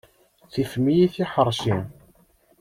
Tifem-iyi tiḥeṛci.